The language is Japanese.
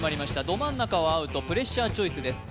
ど真ん中はアウトプレッシャーチョイスです